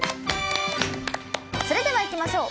それではいきましょう。